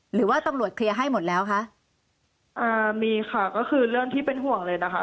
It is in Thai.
หรือว่าตำรวจเคลียร์ให้หมดแล้วคะอ่ามีค่ะก็คือเรื่องที่เป็นห่วงเลยนะคะ